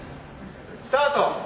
・スタート！